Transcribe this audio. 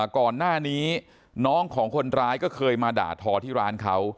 ก่อนหน้านี้น้องของคนร้ายก็เคยมาด่าทอที่ร้านเขา